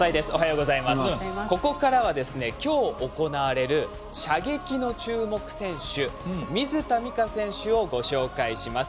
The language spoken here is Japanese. ここからは、きょう行われる射撃の注目選手水田光夏選手をご紹介します。